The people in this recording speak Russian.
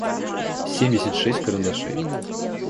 семьдесят шесть карандашей